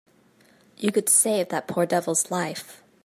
You could save that poor devil's life.